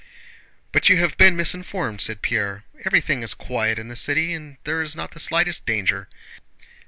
"But you have been misinformed," said Pierre. "Everything is quiet in the city and there is not the slightest danger.